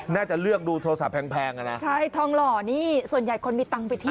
น่าจะเลือกดูโทรศัพท์แพงอ่ะนะใช่ทองหล่อนี่ส่วนใหญ่คนมีตังค์ไปเที่ยว